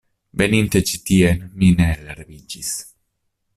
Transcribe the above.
Veninte ĉi tien, mi ne elreviĝis.